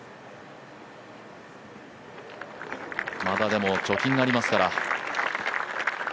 まだでも貯金がありますから。